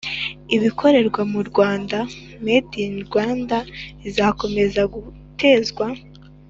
Ibikorerwa mu rwanda made in rwanda izakomeza gutezwa